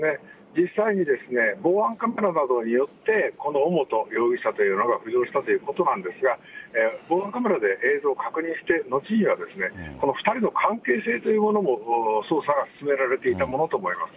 実際に防犯カメラなどによってこの尾本容疑者というのが浮上したということなんですが、防犯カメラで映像を確認して後には、この２人の関係性というものも、捜査が進められていたものと思います。